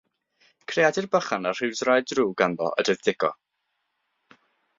Creadur bychan a rhyw draed drwg ganddo ydoedd Dico.